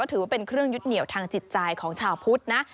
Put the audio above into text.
ถือว่าเป็นเครื่องยึดเหนียวทางจิตใจของชาวพุทธนะ